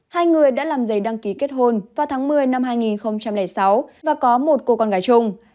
hai người đã làm giấy đăng ký kết hôn vào tháng một mươi năm hai nghìn sáu và có một cô con gái chung